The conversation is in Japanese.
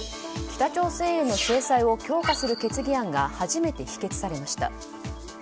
北朝鮮への制裁を強化する決議案が初めて否決されました。